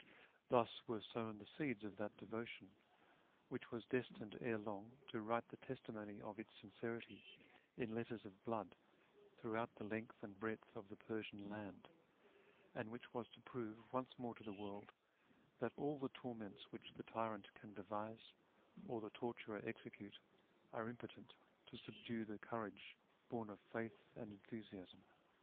Thus were sown the seeds of that devotion which was destined ere long to write the testimony of its sincerity in letters of blood throughout the length and breadth of the Persian land, and which was to prove once more to the world that all the torments which the tyrant can devise or the torturer execute are impotent to subdue the courage born of faith and enthusiasm.